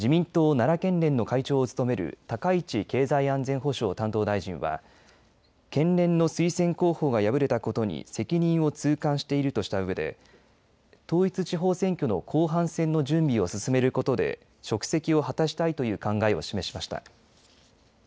奈良県連の会長を務める高市経済安全保障担当大臣は県連の推薦候補が敗れたことに責任を痛感しているとしたうえで統一地方選挙の後半戦の準備を進めることで職責を果たしたいという考えを示しました。